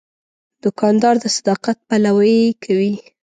دوکاندار د صداقت پلوي کوي.